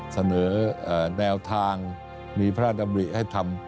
เสนอแนวทางมีพระราชดำริให้ทำ